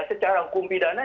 secara hukum pidana